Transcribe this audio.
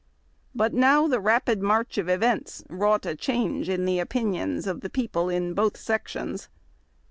But now the rapid march of events wrought a change in the o])inions of the people in both sections.